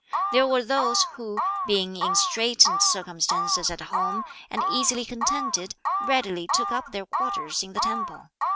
There were those, who, being in straitened circumstances at home, and easily contented, readily took up their quarters in the temple.